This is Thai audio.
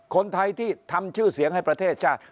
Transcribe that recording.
คนไทยที่ทำชื่อเสียงให้ประเทศชาติ